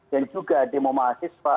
dan juga demo mahasiswa